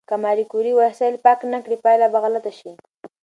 که ماري کوري وسایل پاک نه کړي، پایله به غلطه شي.